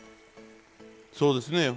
そうですね。